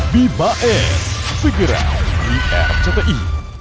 bibae segera di rti